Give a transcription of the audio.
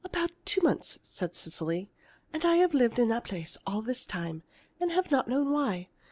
"About two months," said Cecily. "And I've lived in that place all this time, and have not known why.